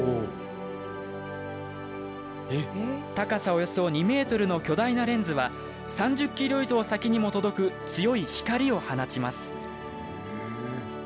高さおよそ２ｍの巨大なレンズは３０ｋｍ以上先にも届く強い光を放ちます。